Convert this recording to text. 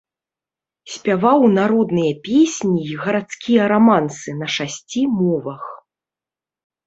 Спяваў народныя песні і гарадскія рамансы на шасці мовах.